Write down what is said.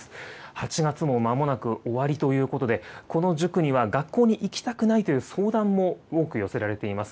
８月もまもなく終わりということで、この塾には学校に行きたくないという相談も多く寄せられています。